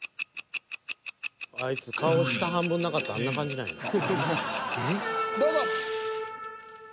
あいつ顔下半分なかったらあんな感じなんやな。